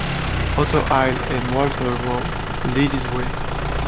Otto Heil and Walter Rau lead his way.